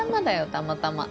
たまたま。